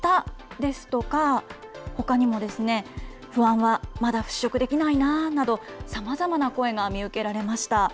ですとか、ほかにも、不安はまだ払拭できないななど、さまざまな声が見受けられました。